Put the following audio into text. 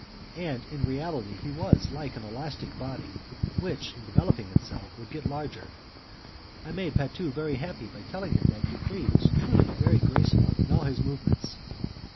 And in reality he was like an elastic body which, in developing itself, would get larger. I made Patu very happy by telling him that Dupres was truly very graceful in all his movements.